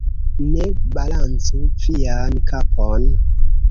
Ne balancu vian kapon.